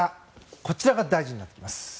こちらが大事になってきます。